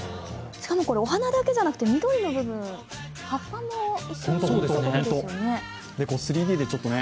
しかも、これお花だけじゃなく、緑の部分、葉っぱも一緒にということですよね。